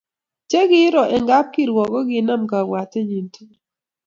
Che kiiro eng kapkirwok kokinam kabwatenyi tugul